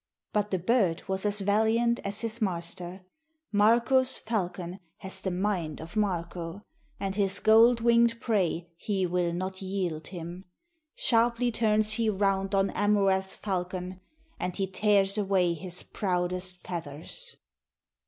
But the bird was valiant as his master; Marko's falcon has the mind of Marko; And his gold wing'd prey he will not yield him. Sharply turns he round on Amurath's falcon, And he tears away his proudest feathers.